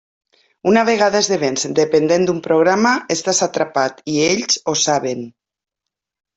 Una vegada esdevens dependent d'un programa, estàs atrapat i ells ho saben.